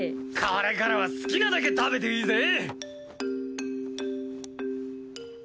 これからは好きなだけ食べていいぜ！